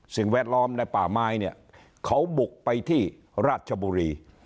สิ่งแวดล้อมในป่าไม้เขาบุกไปที่ราชบุรี